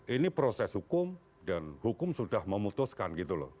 ini proses hukum dan hukum sudah memutuskan